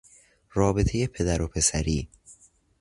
رابطهی پدر و پسری